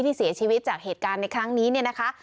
ที่เสียชีวิตจากเหตุการณ์ในครั้งนี้เนี่ยนะคะ